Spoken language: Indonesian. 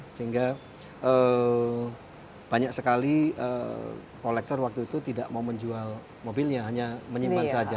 sehingga banyak sekali kolektor waktu itu tidak mau menjual mobilnya hanya menyimpan saja